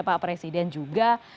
pak presiden juga